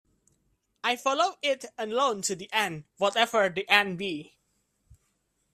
I follow it alone to the end, whatever the end be.